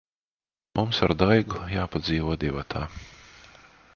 Mums ar Daigu jāpadzīvo divatā.